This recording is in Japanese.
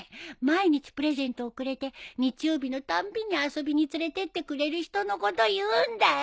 毎日プレゼントをくれて日曜日のたんびに遊びに連れてってくれる人のことをいうんだよ！